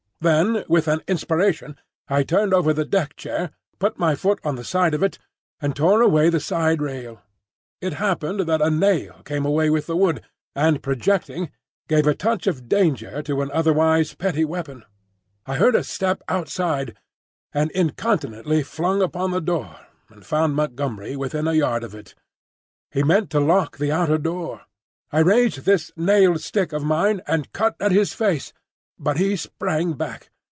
Then with an inspiration I turned over the deck chair, put my foot on the side of it, and tore away the side rail. It happened that a nail came away with the wood, and projecting, gave a touch of danger to an otherwise petty weapon. I heard a step outside, and incontinently flung open the door and found Montgomery within a yard of it. He meant to lock the outer door! I raised this nailed stick of mine and cut at his face; but he sprang back.